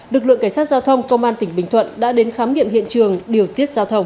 lực lượng cảnh sát giao thông công an tỉnh bình thuận đã đến khám nghiệm hiện trường điều tiết giao thông